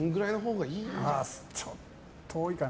ちょっと多いかな。